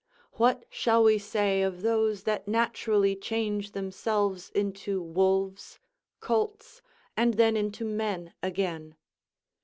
What shall we say of those that naturally change themselves into wolves, colts, and then into men again?